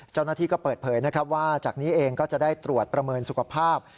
เจ้าหน้าที่ก็เปิดเผยนะครับว่าจากนี้เองก็จะได้ตรวจประเมินสุขภาพ